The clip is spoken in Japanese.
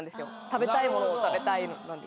食べたいものを食べたいので。